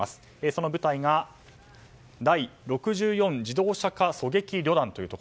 その部隊が第６４自動車化狙撃旅団。